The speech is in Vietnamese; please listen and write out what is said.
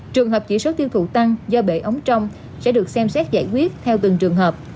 trường hợp chỉ số tiêu thụ tăng do bể ống trong sẽ được xem xét giải quyết theo từng trường hợp